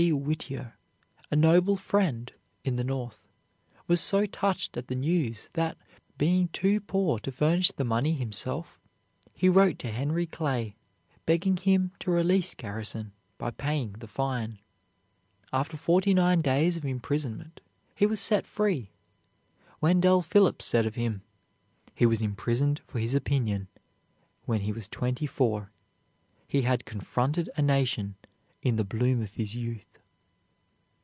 Whittier, a noble friend in the North, was so touched at the news that, being too poor to furnish the money himself, he wrote to Henry Clay, begging him to release Garrison by paying the fine. After forty nine days of imprisonment he was set free. Wendell Phillips said of him, "He was imprisoned for his opinion when he was twenty four. He had confronted a nation in the bloom of his youth."